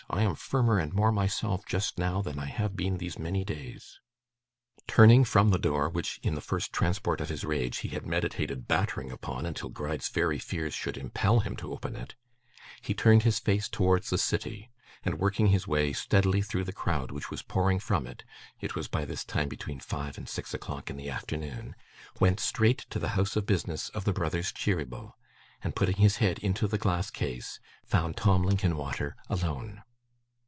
I am firmer and more myself, just now, than I have been these many days.' Turning from the door, which, in the first transport of his rage, he had meditated battering upon until Gride's very fears should impel him to open it, he turned his face towards the city, and working his way steadily through the crowd which was pouring from it (it was by this time between five and six o'clock in the afternoon) went straight to the house of business of the brothers Cheeryble, and putting his head into the glass case, found Tim Linkinwater alone.